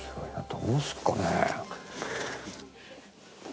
どうすっかね。